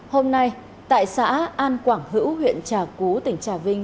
hôm nay tại xã an quảng hữu huyện trà cú tỉnh trà vinh